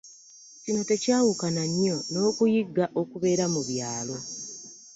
Kino tekyawukana nnyo n'okuyigga okubeera mu byalo.